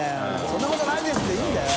そんなことないです！」でいいんだよ。